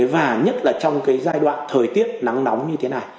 và nhất là trong cái giai đoạn thời tiết nắng nóng như thế này